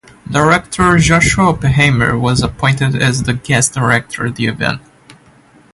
Director Joshua Oppenheimer was appointed as the guest director of the event.